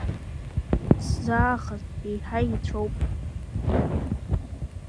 Сзаахаз еиҳа еицәоуп.